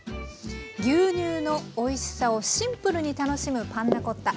牛乳のおいしさをシンプルに楽しむパンナコッタ。